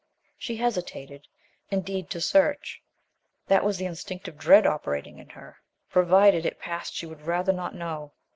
She hesitated, indeed, to search. That was the instinctive dread operating in her. Provided it passed she would rather not know.